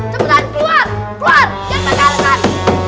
cepetan keluar keluar jangan pakai alasan